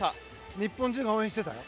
日本中が応援してたよ。